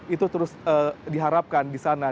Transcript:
itu terus diharapkan di sana